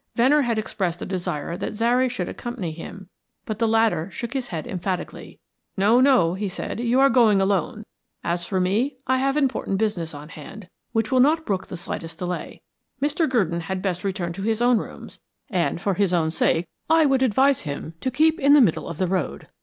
Venner had expressed a desire that Zary should accompany him, but the latter shook his head emphatically. "No, no," he said; "you are going alone. As for me, I have important business on hand which will not brook the slightest delay. Mr. Gurdon had best return to his own rooms; and, for his own sake, I would advise him to keep in the middle of the road.